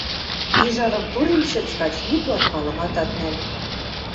– Ни жарымы турим шӹц кач, ни туаткалымат ат нӓл...